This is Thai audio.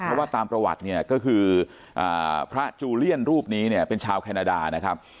เพราะว่าตามประวัติเนี่ยก็คือพระจูเลียนรูปนี้เนี่ยเป็นชาวแคนาดานะครับ